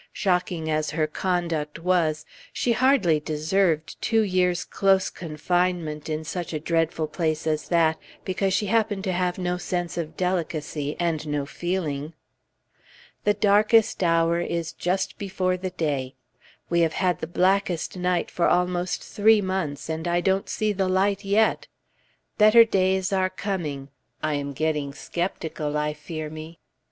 Shocking as her conduct was, she hardly deserved two years' close confinement in such a dreadful place as that, because she happened to have no sense of delicacy, and no feeling. Note by Mrs. Dawson in 1906: DeKay, our relative. "The darkest hour is just before the day"; we have had the blackest night for almost three months, and I don't see the light yet. "Better days are coming " I am getting skeptical, I fear me.